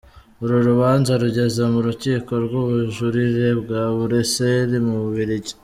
Uru rubanza rugeze mu urukiko rw’ubujurire bwa Buruseli mu Bubiligi.